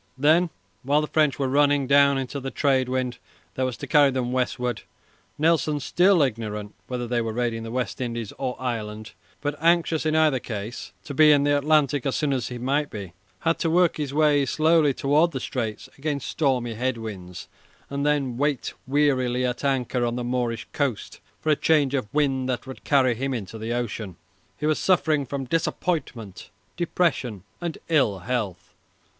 Then, while the French were running down into the trade wind that was to carry them westward, Nelson, still ignorant whether they were raiding the West Indies or Ireland, but anxious in either case to be in the Atlantic as soon as might be, had to work his way slowly towards the Straits against stormy head winds, and then wait wearily at anchor on the Moorish coast for a change of wind that would carry him into the ocean. He was suffering from disappointment, depression, and ill health.